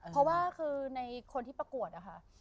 เพราะว่าคือในคนที่ประกวดนะคะ